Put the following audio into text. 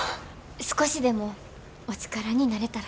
少しでもお力になれたら。